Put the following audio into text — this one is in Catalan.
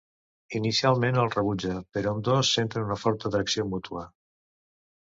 Inicialment el rebutja, però ambdós senten una forta atracció mútua.